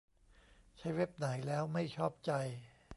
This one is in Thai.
ใช้เว็บไหนแล้วไม่ชอบใจ